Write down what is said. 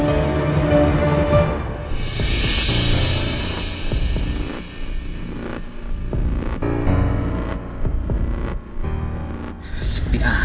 hai lemon hai birut saya